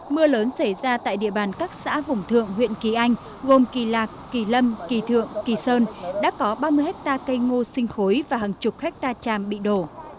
mưa lớn xảy ra tại địa bàn các xã vùng thượng huyện kỳ anh gồm kỳ lạc kỳ lâm kỳ thượng kỳ sơn đã có ba mươi hectare cây ngô sinh khối và hàng chục hectare tràm bị đổ